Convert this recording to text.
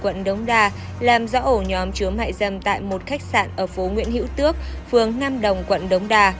quận đống đa làm rõ ổ nhóm chứa mại dâm tại một khách sạn ở phố nguyễn hữu tước phường nam đồng quận đống đà